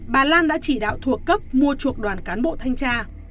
bà lan đã chỉ đạo thuộc cấp mua chuộc đoàn cán bộ thanh tra